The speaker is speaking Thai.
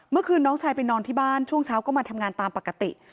เมื่อคืนน้องชายไปนอนที่บ้านช่วงเช้าก็มาทำงานตามปกติ